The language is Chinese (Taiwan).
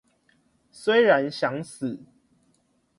雖然想死